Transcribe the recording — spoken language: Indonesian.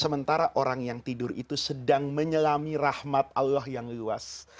sementara orang yang tidur itu sedang menyelami rahmat allah yang luas